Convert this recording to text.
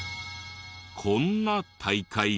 こんな大会が。